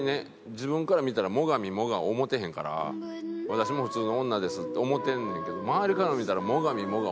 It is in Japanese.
自分から見たら最上もが思ってへんから「私も普通の女です」って思ってるねんけど周りから見たら最上もが思ってるから。